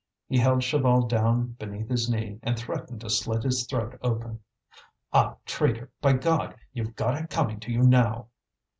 He held Chaval down beneath his knee and threatened to slit his throat open. "Ah, traitor! by God! you've got it coming to you now!"